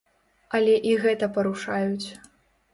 Але і гэта парушаюць.